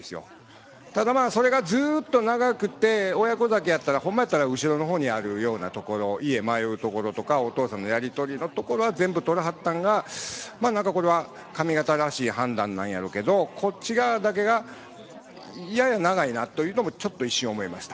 ただまあそれがずっと長くて「親子酒」やったらホンマやったら後ろの方にあるようなところ家迷うところとかお父さんのやり取りのところは全部取らはったんがまあ何かこれは上方らしい判断なんやろうけどこっち側だけがやや長いなというのもちょっと一瞬思いました。